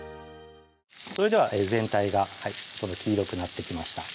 それでは全体が黄色くなってきました